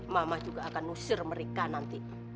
mama juga akan nusir mereka nanti